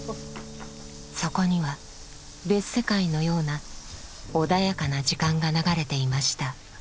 そこには別世界のような穏やかな時間が流れていました